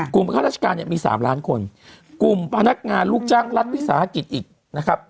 ข้าราชการเนี่ยมี๓ล้านคนกลุ่มพนักงานลูกจ้างรัฐวิสาหกิจอีกนะครับ